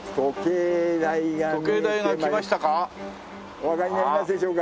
おわかりになりますでしょうか？